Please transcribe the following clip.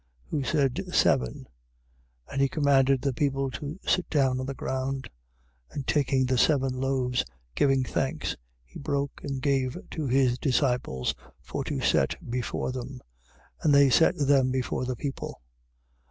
Who said: Seven. 8:6. And he commanded the people to sit down on the ground. And taking the seven loaves, giving thanks, he broke and gave to his disciples for to set before them. And they set them before the people.